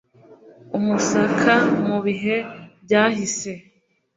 umusaka mu bihe byahishe